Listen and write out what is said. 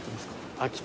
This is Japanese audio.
秋田